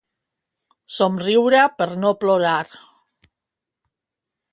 Somriure per no plorar